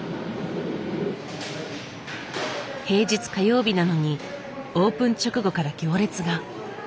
平日火曜日なのにオープン直後から行列が。